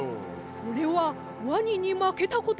「おれはワニにまけたことがない。